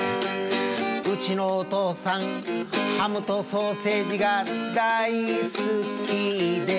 「うちのお父さんハムとソーセージが大好きで」